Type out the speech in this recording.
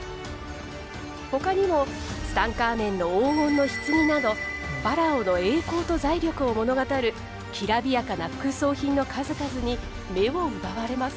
ほかにもツタンカーメンの黄金の棺などファラオの栄光と財力を物語るきらびやかな副葬品の数々に目を奪われます。